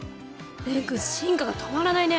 蓮くん進化が止まらないね！